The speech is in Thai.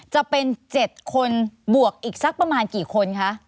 จะเป็น๗คนบวกอีกสักประมาณกี่คนคะ